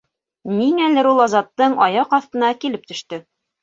Ниңәлер ул Азаттың аяҡ аҫтына килеп төштө.